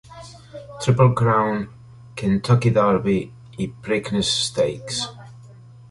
Triple Crown, Kentucky Derby i Preakness Stakes.